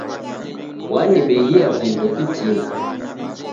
Wanibeghia vindo vitini.